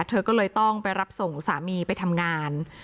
เธอก็เลยต้องไปรับส่งสามีไปทำงาน